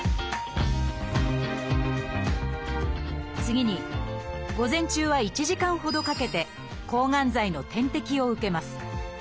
次に午前中は１時間ほどかけて抗がん剤の点滴を受けます